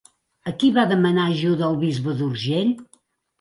A qui va demanar ajuda el Bisbe d'Urgell?